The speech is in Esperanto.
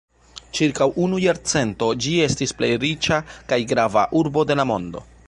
Ĉirkaŭ unu jarcento ĝi estis plej riĉa kaj grava urbo de la mondo.